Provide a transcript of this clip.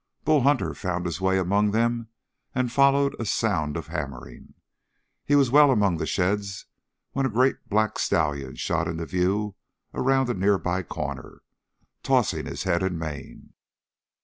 Bull Hunter found his way among them and followed a sound of hammering. He was well among the sheds when a great black stallion shot into view around a nearby corner, tossing his head and mane.